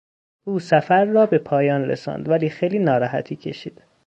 او سفر را به پایان رساند ولی خیلی ناراحتی کشید.